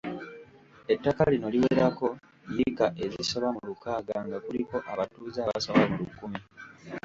Ettaka lino liwerako yiika ezisoba mu lukaaga nga kuliko abatuuze abasoba mu lukumi.